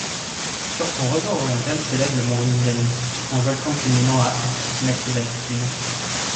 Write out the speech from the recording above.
Sur son rebord oriental s'élève le mont Rinjani, un volcan culminant à mètres d'altitude.